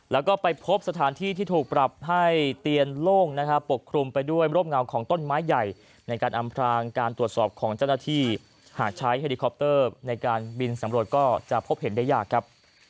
แล้วก็ไปพบสถานที่ที่ถูกปรับให้เตียนโล่งนะครับปกคลุมไปด้วยร่มเงาของต้นไม้ใหญ่ในการอำพรางการตรวจสอบของเจ้าหน้าที่หากใช้เฮลิคอปเตอร์ในการบินสำรวจก็จะพบเห็นได้ยากครับ